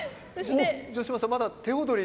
城島さんまだ手踊り